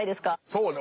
そうね。